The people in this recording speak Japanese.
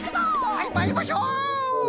はいまいりましょう！